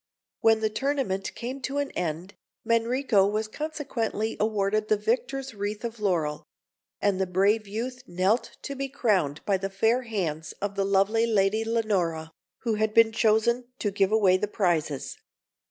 When the Tournament came to an end, Manrico was consequently awarded the victor's wreath of laurel; and the brave youth knelt to be crowned by the fair hands of the lovely Lady Leonora, who had been chosen to give away the prizes.